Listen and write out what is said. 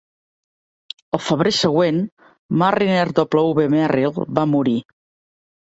Al febrer següent, Marriner W. Merrill va morir.